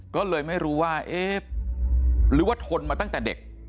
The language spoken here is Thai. ก็เลยไม่รู้ว่าเอ๊ะหรือว่าทนมาตั้งแต่เด็ก